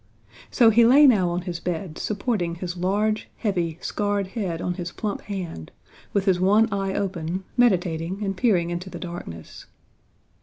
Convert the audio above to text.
So he lay now on his bed, supporting his large, heavy, scarred head on his plump hand, with his one eye open, meditating and peering into the darkness.